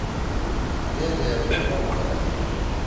دِے دے ٹِگون تھلَدی۔